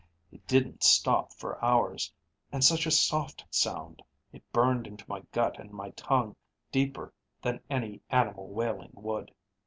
It didn't stop for hours, and such a soft sound, it burned into my gut and my tongue deeper than any animal wailing would.